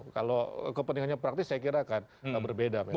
kalau kepentingannya praktis saya kira akan berbeda